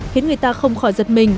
khiến người ta không khỏi giật mình